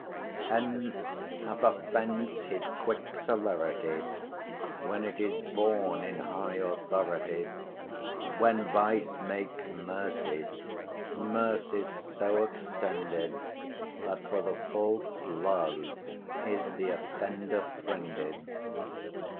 Hence hath offence his quick celerity, 105 When it is borne in high authority: When vice makes mercy, mercy's so extended, That for the fault's love is the offender friended.